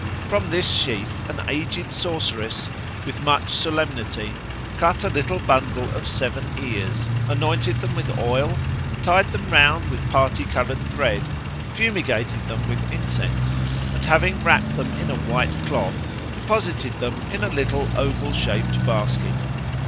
From this sheaf an aged sorceress, with much solemnity, cut a little bundle of seven ears, anointed them with oil, tied them round with parti coloured thread, fumigated them with incense, and having wrapt them in a white cloth deposited them in a little oval shaped basket.